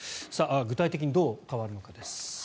具体的にどう変わるのかです。